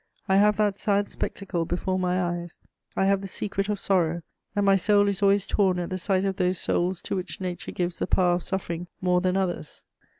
I have that sad spectacle before my eyes; I have the secret of sorrow, and my soul is always torn at the sight of those souls to which nature gives the power of suffering more than others.